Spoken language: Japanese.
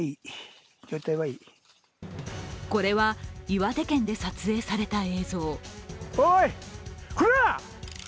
これは、岩手県で撮影された映像。